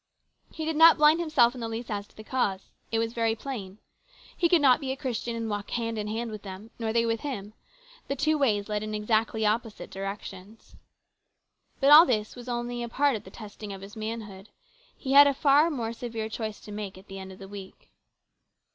He did not blind himself in the least as to the cause. It was very plain. He could not be a Christian and walk hand in hand with them, nor they with him ; the two ways led in exactly opposite directions. * But all this was only a part of the testing of his manhood. He had a far more severe choice to make at the end of the week.